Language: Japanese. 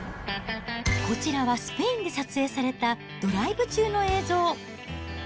こちらはスペインで撮影されたドライブ中の映像。